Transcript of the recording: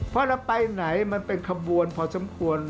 เพราะเราไปไหนมันเป็นขบวนพอสมควร